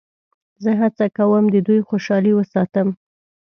زه هڅه کوم د دوی خوشحالي وساتم.